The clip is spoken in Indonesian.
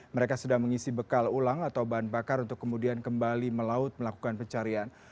mereka sedang mengisi bekal ulang atau bahan bakar untuk kemudian kembali melaut melakukan pencarian